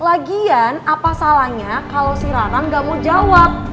lagian apa salahnya kalau si rara nggak mau jawab